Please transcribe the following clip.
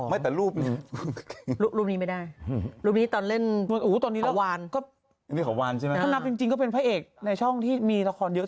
ไม่แต่รูปนี้